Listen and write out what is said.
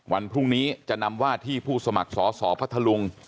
วันพรุ่งนี้จะนำว่าที่ผู้สมัครสอสอพัทธลุง